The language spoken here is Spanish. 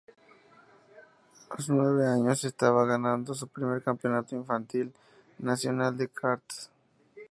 A los nueve años ya estaba ganando su primer Campeonato Infantil Nacional de Karts.